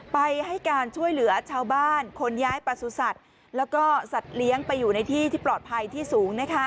ไปให้การช่วยเหลือชาวบ้านขนย้ายประสุทธิ์แล้วก็สัตว์เลี้ยงไปอยู่ในที่ที่ปลอดภัยที่สูง